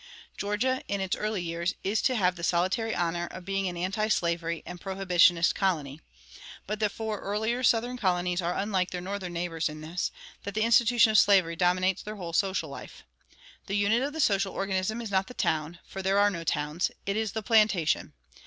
Georgia, in its early years, is to have the solitary honor of being an antislavery and prohibitionist colony. But the four earlier Southern colonies are unlike their Northern neighbors in this, that the institution of slavery dominates their whole social life. The unit of the social organism is not the town, for there are no towns; it is the plantation.